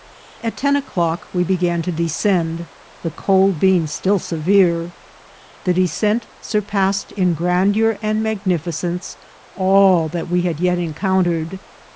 At ten o'clock we began to descend, the cold being still severe* The descent surpassed in grandeur and magnificence all that we had yet encountered.